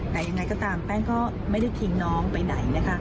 แต่ยังไงก็ตามแป้งก็ไม่ได้ทิ้งน้องไปไหนนะคะ